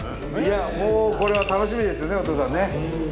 もうこれは楽しみですよねお父さんね。